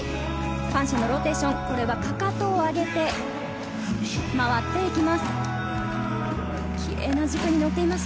パンシェのローテーション、これがかかとを上げて回っていきます。